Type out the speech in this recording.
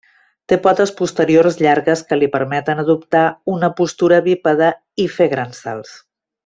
Té potes posteriors llargues que li permeten adoptar una postura bípeda i fer grans salts.